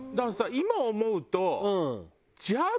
今思うと。